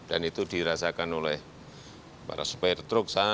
dan itu dirasakan oleh para super truk